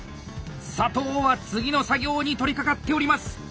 佐藤は次の作業に取りかかっております！